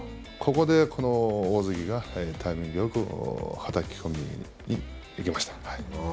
ここでこの大関がタイミングよくはたき込みに行きました。